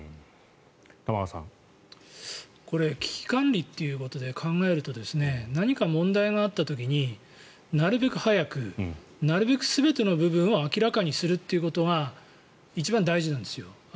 これ危機管理ということで考えると何か問題があった時になるべく早くなるべく全ての部分を明らかにするということが一番大事なんですよ。